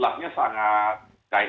dan mereka juga sangat berpengalaman